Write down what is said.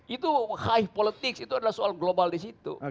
itu high politics itu adalah soal global di situ